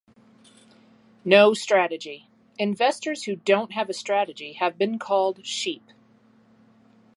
No strategy: Investors who don't have a strategy have been called Sheep.